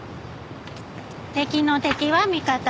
敵の敵は味方。